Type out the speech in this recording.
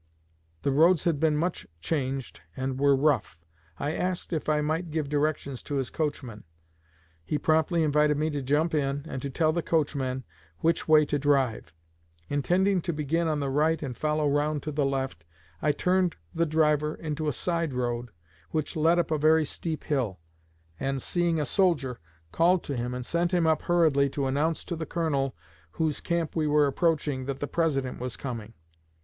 The roads had been much changed and were rough. I asked if I might give directions to his coachman; he promptly invited me to jump in, and to tell the coachman which way to drive. Intending to begin on the right and follow round to the left, I turned the driver into a side road which led up a very steep hill, and, seeing a soldier, called to him and sent him up hurriedly to announce to the Colonel whose camp we were approaching that the President was coming.